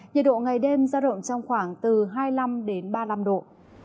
nhiệt độ ngày đêm ra động trong khoảng từ hai mươi năm đến ba mươi năm độ